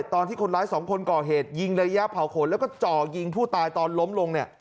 ตอนที่คนร้ายสองคนก่อเหตุยิงระยะเผาขนแล้วก็จ่อยิงผู้ตายตอนล้มลงเนี่ย